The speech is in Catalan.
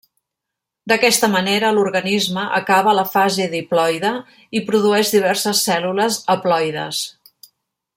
D'aquesta manera l'organisme acaba la fase diploide i produeix diverses cèl·lules haploides.